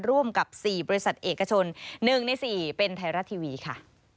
ร่วมกับ๔บริษัทเอกชน๑ใน๔เป็นไทยรัฐทีวีค่ะ